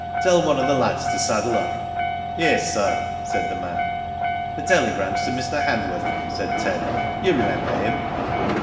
Tell one of the lads to saddle up." "Yes, sir," said the man. "The telegram's to Mr. Hanworth," said Ted, "You remember him."